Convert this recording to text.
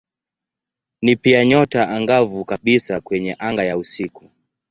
Ni pia nyota angavu kabisa kwenye anga ya usiku.